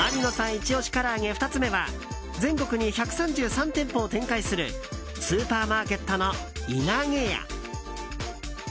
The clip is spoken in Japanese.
イチ押しから揚げ２つ目は全国に１３３店舗を展開するスーパーマーケットのいなげや。